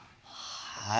はい。